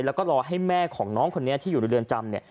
แล้วก็รอให้แม่ของน้องคนนี้ที่อยู่ในเรือนจำเนี่ย